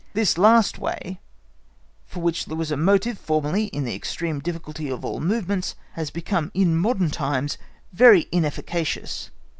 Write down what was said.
This last way, for which there was a motive formerly in the extreme difficulty of all movements, has become in modern times very inefficacious.